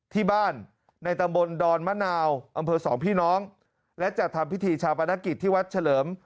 ที่บ้านในตำบลดอนมะนาวอำเภอสองพี่น้องและจัดทำพิธีชาปนกิจที่วัดเฉลิม